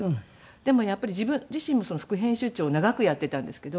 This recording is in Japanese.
でもやっぱり自分自身も副編集長を長くやっていたんですけど。